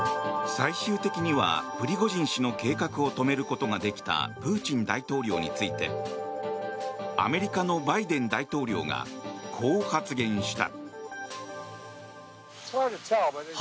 最終的にはプリゴジン氏の計画を止めることができたプーチン大統領についてアメリカのバイデン大統領がこう発言した。